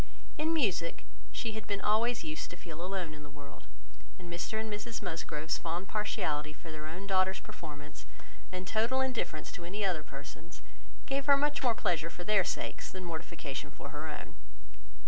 In music she had been always used to feel alone in the world; and Mr and Mrs Musgrove's fond partiality for their own daughters' performance, and total indifference to any other person's, gave her much more pleasure for their sakes, than mortification for her own.